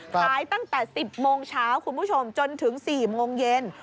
ขายตั้งแต่๑๐โมงเช้าคุณผู้ชมจนถึง๔โมงเย็น